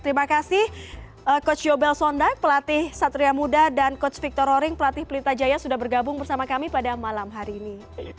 terima kasih coach yobel sondak pelatih satria muda dan coach victor roring pelatih pelita jaya sudah bergabung bersama kami pada malam hari ini